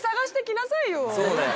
そうだよ。